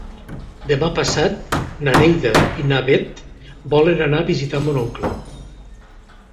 Demà passat na Neida i na Bet volen anar a visitar mon oncle.